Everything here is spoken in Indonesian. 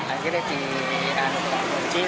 akhirnya di anggun